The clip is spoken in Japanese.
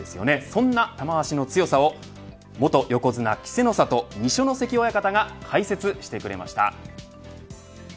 そんな玉鷲の強さを元横綱、稀勢の里二所ノ関親方が解説してくれました。